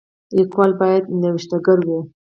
لیکوال باید نوښتګر وي.